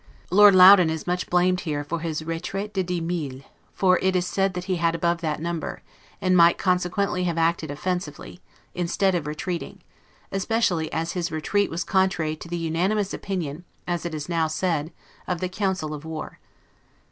Lord Loudon is much blamed here for his 'retraite des dix milles', for it is said that he had above that number, and might consequently have acted offensively, instead of retreating; especially as his retreat was contrary to the unanimous opinion (as it is now said) of the council of war.